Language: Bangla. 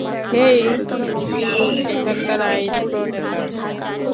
হেই, গুরু এখানকার আইন প্রণেতা।